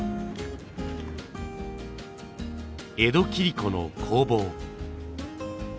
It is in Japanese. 江戸切子の工房。